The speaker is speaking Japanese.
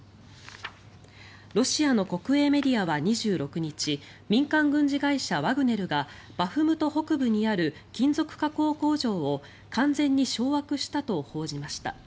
ロシアの国営メディアは２６日民間軍事会社ワグネルがバフムト北部にある金属加工工場を完全に掌握したと報じました。